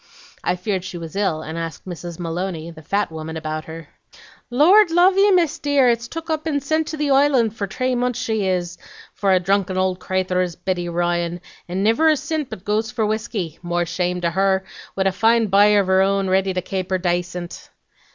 I feared she was ill, and asked Mrs. Maloney, the fat woman, about her. "'Lord love ye, Miss dear, it's tuk up and sint to the Island for tree months she is; for a drunken ould crayther is Biddy Ryan, and niver a cint but goes for whiskey, more shame to her, wid a fine bye av her own ready to kape her daycint.'